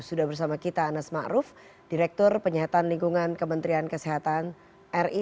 sudah bersama kita anas ma'ruf direktur penyihatan lingkungan kementerian kesehatan ri